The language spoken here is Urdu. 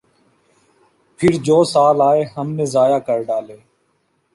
پھر جو سال آئے ہم نے ضائع کر ڈالے۔